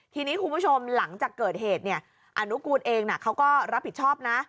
ทีนี้คุณผู้ชมหลังจากเกิดเหตุเนี่ยอนุกูลเองเขาก็รับผิดชอบนะ